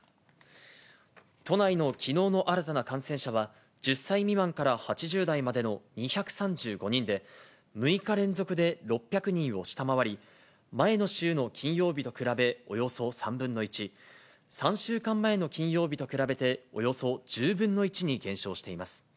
都内のきのうの新たな感染者は、１０歳未満から８０代までの２３５人で、６日連続で６００人を下回り、前の週の金曜日と比べおよそ３分の１、３週間前の金曜日と比べて、およそ１０分の１に減少しています。